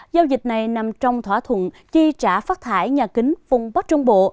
giao dịch này nằm trong thỏa thuận chi trả phát thải nhà kính vùng bắc trung bộ